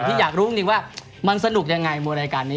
ที่อยากรู้จริงว่ามันสนุกยังไงมวยรายการนี้